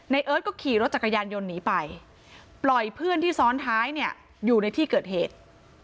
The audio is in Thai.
เอิร์ทก็ขี่รถจักรยานยนต์หนีไปปล่อยเพื่อนที่ซ้อนท้ายเนี่ยอยู่ในที่เกิดเหตุ